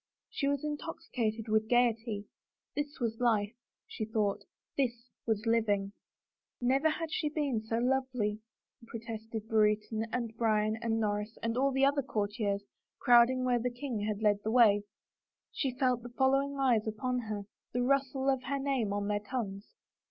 She was intoxicated with gayety. This was life, she thought, this was living. 51 THE FAVOR OF KINGS Never had she been so lovely, protested Brereton and Bryan and Norris and all the other courtiers, crowding where the king had led the way. She felt the following eyes upon her, the rustle of her name on their tongues.